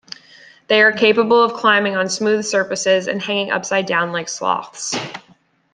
They are capable of climbing on smooth surfaces and hanging upside down like sloths.